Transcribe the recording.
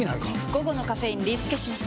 午後のカフェインリスケします！